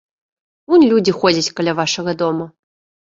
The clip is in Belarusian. Унь людзі ходзяць каля вашага дома.